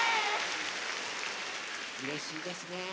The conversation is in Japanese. うれしいですね。